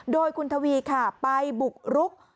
โดยคุณทวีค่ะไปบุกรุก